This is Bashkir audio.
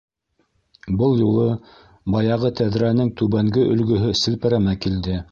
Был юлы баяғы тәҙрәнең түбәнге өлгөһө селпәрәмә килде.